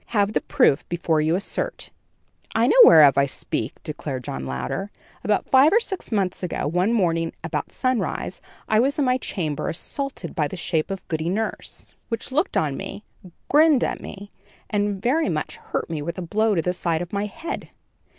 "Have the proof before you assert." "I know whereof I speak," declared John Louder. "About five or six months ago, one morning about sunrise, I was in my chamber assaulted by the shape of Goody Nurse, which looked on me, grinned at me, and very much hurt me with a blow on the side of my head.